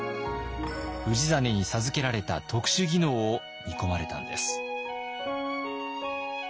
氏真に授けられた特殊技能を見込まれたんです。